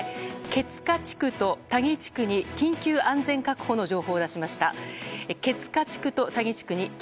ケツカ地区とタギ地区に緊急安全確保の情報を出しました。